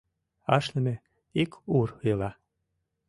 Ашныме ик ур ила